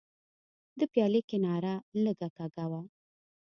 د پیالې کناره لږه کږه وه.